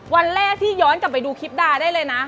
วันแรกที่ย้อนกลับไปดูคลิปดาได้เลยนะ